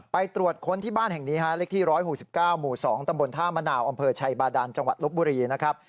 ไปตรวจค้นที่บ้านแห่งนี้ฮะเลขที่๑๖๙หมู่๒ตำบลท่ามะนาวอำเภอชัยบาดานจังหวัดลบบุรีนะครับ